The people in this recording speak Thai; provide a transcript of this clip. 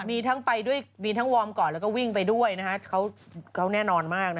มีทั้งไปด้วยมีทั้งวอร์มก่อนแล้วก็วิ่งไปด้วยเขาแน่นอนมาก